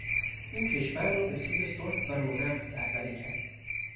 او کشور را به سوی صلح و رونق رهبری کرد.